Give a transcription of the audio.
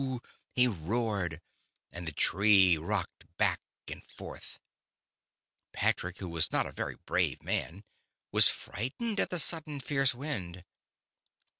Whooooooo ! I he roared, and the Tree rocked back and forth ! Patrick, who was not a very brave man, was frightened at the sudden fierce wind.